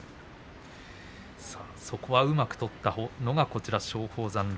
そこをうまく取った松鳳山。